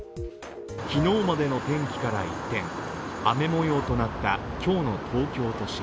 昨日までの天気から一転、雨もようとなった今日の東京都心。